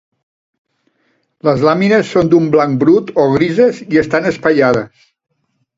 Les làmines són d'un blanc brut o grises i estan espaiades.